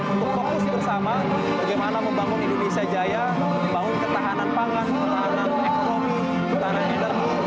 untuk fokus bersama bagaimana membangun indonesia jaya membangun ketahanan pangan ketahanan ekonomi ketahanan energi